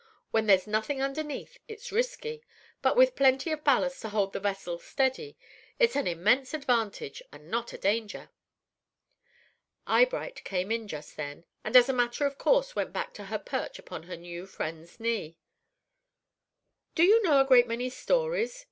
When there's nothing underneath it's risky; but with plenty of ballast to hold the vessel steady, it's an immense advantage and not a danger." Eyebright came in just then, and as a matter of course went back to her perch upon her new friend's knee. "Do you know a great many stories?"